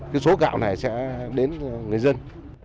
cái số gạo này sẽ đến người dân